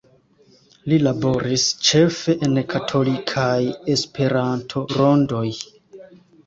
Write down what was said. Li laboris ĉefe en katolikaj Esperanto-rondoj.